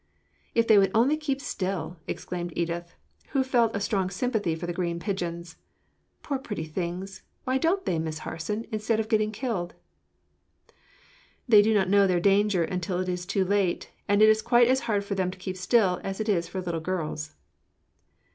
"If they would only keep still!" exclaimed Edith, who felt a strong sympathy for the green pigeons. "Poor pretty things! Why don't they, Miss Harson, instead of getting killed?" "They do not know their danger until it is too late, and it is quite as hard for them to keep still as it is for little girls."